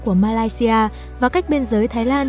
của malaysia và cách biên giới thái lan